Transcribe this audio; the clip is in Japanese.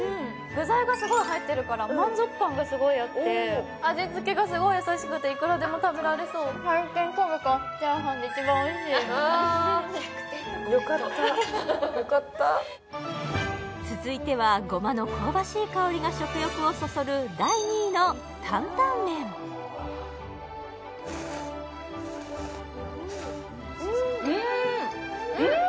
具材がすごい入ってるから満足感がすごいあって味付けがすごい優しくていくらでも食べられそうあよかったよかった続いてはゴマの香ばしい香りが食欲をそそる第２位の担々麺うんうん！